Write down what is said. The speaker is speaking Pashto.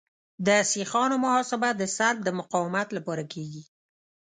د سیخانو محاسبه د سلب د مقاومت لپاره کیږي